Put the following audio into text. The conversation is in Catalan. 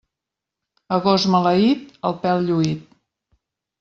A gos maleït, el pèl lluït.